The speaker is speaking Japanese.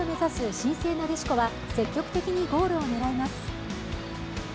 新生なでしこは積極的にゴールを狙います。